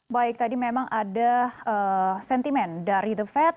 baik tadi memang ada sentimen dari the fed